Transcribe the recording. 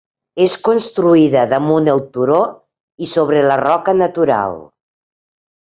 És construïda damunt el turó i sobre la roca natural.